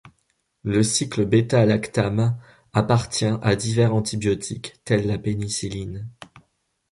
Le cycle β-lactame appartient à divers antibiotiques, tels la pénicilline.